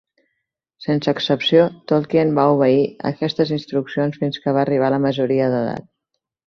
Sense excepció, Tolkien va obeir aquestes instruccions fins que va arribar a la majoria d'edat.